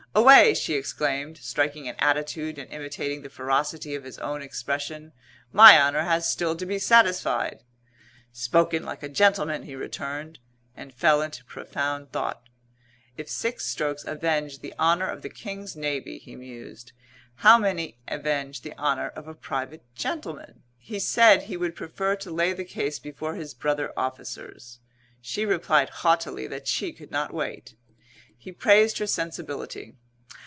"Away!" she exclaimed, striking an attitude and imitating the ferocity of his own expression, "My honour has still to be satisfied!" "Spoken like a gentleman!" he returned, and fell into profound thought. "If six strokes avenge the honour of the King's Navy," he mused, "how many avenge the honour of a private gentleman?" He said he would prefer to lay the case before his brother officers. She replied haughtily that she could not wait. He praised her sensibility.